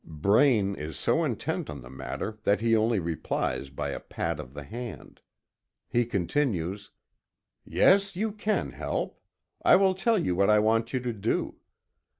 Braine is so intent on the matter that he only replies by a pat of the hand. He continues: "Yes, you can help. I will tell you what I want you to do.